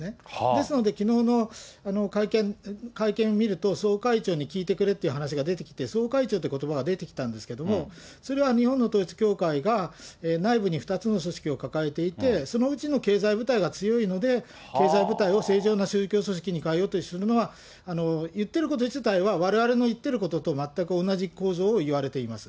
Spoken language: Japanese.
ですので、きのうの会見見ると、総会長に聞いてくれって話が出てきて、総会長ってことばが出てきたんですけれども、それは日本の統一教会が内部に２つの組織を抱えていて、そのうちの経済部隊が強いので、経済部隊を正常な宗教組織に変えようとするのは、言ってること自体は、われわれの言ってることと、全く同じ構造を言われています。